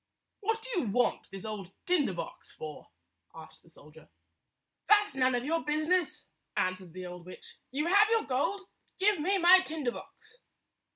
"What do you want this old tinder box for?" asked the soldier. 165 "That 's none of your business," answered the old witch. "You have your gold; give me my tinder box."